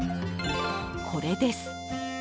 これです。